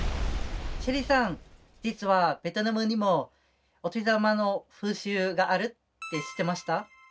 シェリさん実はベトナムにもお年玉の風習があるって知ってました？